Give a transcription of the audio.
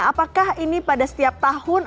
apakah ini pada setiap tahun